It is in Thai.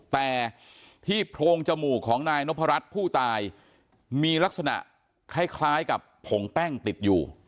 แต่ที่โพรงจมูกของนายนพรัชผู้ตายมีลักษณะคล้ายกับผงแป้งติดอยู่